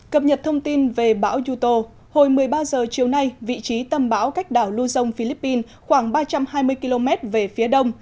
cập nhật thông tin về bão yuto hồi một mươi ba h chiều nay vị trí tâm bão cách đảo luzon philippines khoảng ba trăm hai mươi km về phía đông